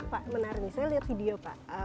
pak menarik nih saya lihat video pak